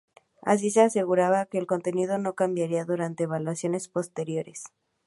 Así se asegurará que el contenido no cambiará durante evaluaciones posteriores.